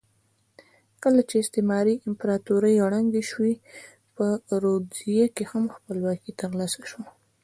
کله چې استعماري امپراتورۍ ړنګې شوې په رودزیا کې هم خپلواکي ترلاسه شوه.